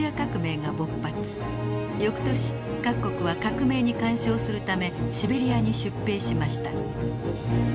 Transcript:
翌年各国は革命に干渉するためシベリアに出兵しました。